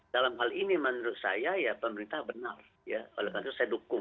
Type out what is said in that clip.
dalam hal ini menurut saya ya pemerintah benar ya oleh karena itu saya dukung